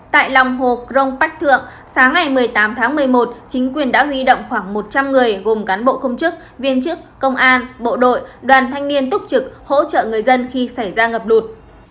tại lòng hồ crong bách thượng sáng ngày một mươi tám tháng một mươi một chính quyền đã huy động khoảng một trăm linh người gồm cán bộ công chức viên chức công an bộ đội đoàn thanh niên túc trực hỗ trợ người dân khi xảy ra ngập lụt